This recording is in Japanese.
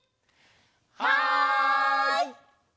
はい！